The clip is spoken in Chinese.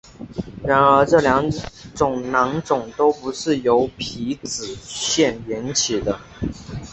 然而这两种囊肿都不是由皮脂腺引起的。